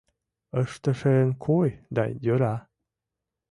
Ыштышын кой да йӧра.